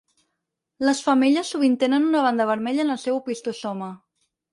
Les femelles sovint tenen una banda vermella en el seu opistosoma.